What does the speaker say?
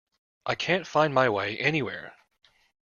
I can't find my way anywhere!